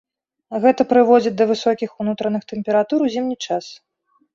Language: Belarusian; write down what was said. Гэта прыводзіць да высокіх унутраных тэмператур у зімні час.